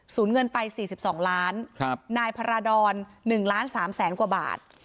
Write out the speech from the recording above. สูญเงินไป๔๒ล้านครับนายพราดอน๑๓๐๐๐๐๐บาท